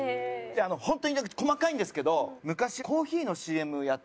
ホントに細かいんですけど昔コーヒーのＣＭやっ